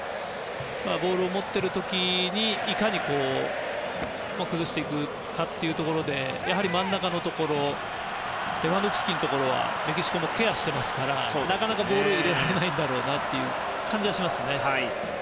ボールを持っている時にいかに崩すかというところでやはり真ん中のところレバンドフスキのところはメキシコもケアしていますからなかなかボールを入れられないんだろうなという感じがしますね。